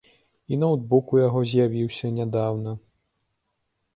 І ноўтбук у яго з'явіўся нядаўна.